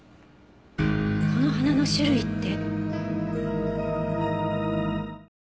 この花の種類って。